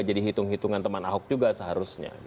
jadi hitung hitungan teman ahok juga seharusnya